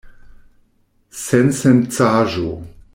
Sensencaĵo!